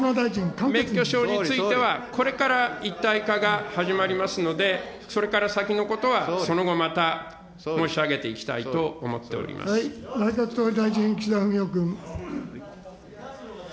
免許証については、これから一体化が始まりますので、それから先のことはその後また、申し上げていきたいと思っており内閣総理大臣、岸田文雄君。